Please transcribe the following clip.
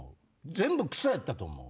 全部草やったと思う。